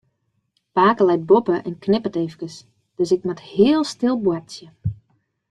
Pake leit boppe en knipperet efkes, dus ik moat heel stil boartsje.